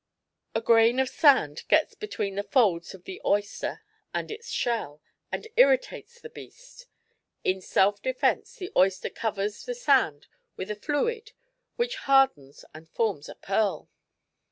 A grain of sand gets between the folds of the oyster and its shell and irritates the beast. In self defense the oyster covers the sand with a fluid which hardens and forms a pearl."